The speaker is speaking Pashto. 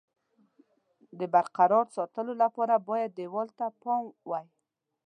د برقرار ساتلو لپاره باید دېوال ته پام وای.